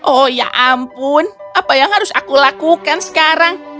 oh ya ampun apa yang harus aku lakukan sekarang